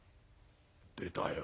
「出たよ。